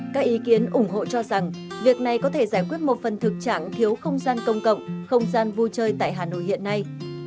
các ý kiến ủng hộ cho rằng việc này có thể giải quyết một phần thực trạng thiếu không gian công cộng không gian vui chơi tại hà nội hiện nay